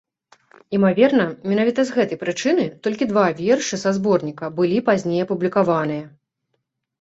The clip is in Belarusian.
Імаверна, менавіта з гэтай прычыны толькі два вершы са зборніка былі пазней апублікаваныя.